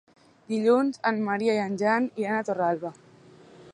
Dilluns en Maria i en Jan iran a Torralba.